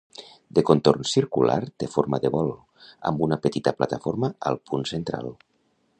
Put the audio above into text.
De contorn circular, té forma de bol, amb una petita plataforma al punt central.